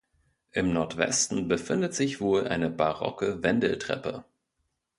Im Nordwesten befindet sich wohl eine barocke Wendeltreppe.